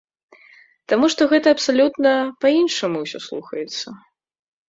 Таму што гэта абсалютна па-іншаму ўсё слухаецца.